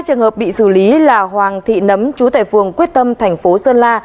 hai trường hợp bị xử lý là hoàng thị nấm trú tại phường quyết tâm thành phố sơn la